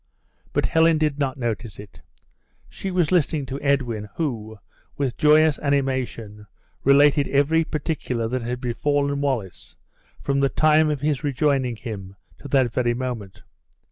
But Helen did not notice it; she was listening to Edwin, who, with joyous animation, related every particular that had befallen Wallace from the time of his rejoining him to that very moment.